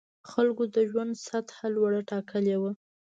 خلکو د ژوند سطح لوړه ټاکلې وه.